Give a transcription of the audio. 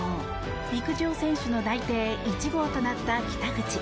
陸上選手の内定１号となった北口。